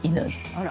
「あら」